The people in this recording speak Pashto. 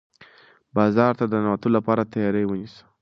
بازار ته د ننوتلو لپاره تیاری ونیسه.